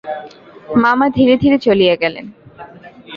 মামা ধীরে ধীরে চলিয়া গেলেন।